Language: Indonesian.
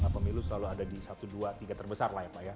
pemilu selalu ada di satu dua tiga terbesar lah ya pak ya